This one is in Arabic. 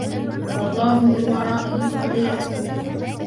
وَاللَّهُ مِنْ وَرَائِهِمْ مُحِيطٌ